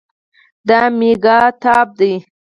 دا مېکتاب ده